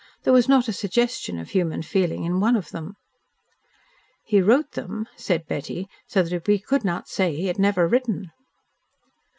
There was not a suggestion of human feeling in one of them. "He wrote them," said Betty, "so that we could not say that he had never written."